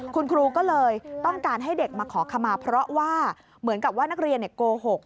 คุณครูก็เลยต้องการให้เด็กมาขอขมาเพราะว่าเหมือนกับว่านักเรียนโกหก